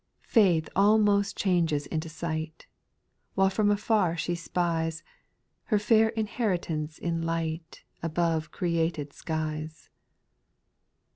4. Faith almost changes into sight, While from afar she spies Her fair inheritance in light Above created skies.